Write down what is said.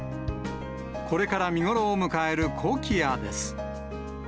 これから見頃を迎えるコキアです。